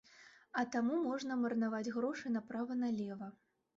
А таму можна марнаваць грошы направа-налева.